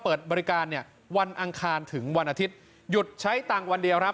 เปิดบริการเนี่ยวันอังคารถึงวันอาทิตย์หยุดใช้ตังค์วันเดียวครับ